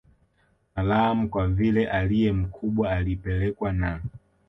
Salaam Kwa vile aliye mkubwa alipelekwa na